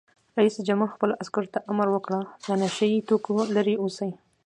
رئیس جمهور خپلو عسکرو ته امر وکړ؛ له نشه یي توکو لرې اوسئ!